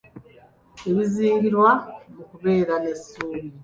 Ebizingirwa mu kubeera n’essuubi.